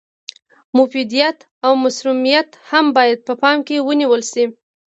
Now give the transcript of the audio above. مفیدیت او مثمریت هم باید په پام کې ونیول شي.